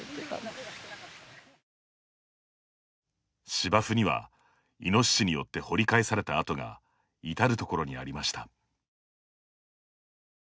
芝生には、イノシシによって掘り返された跡が至るところにありました。